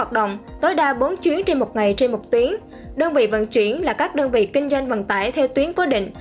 các phương tiện vận tải theo tuyến cố định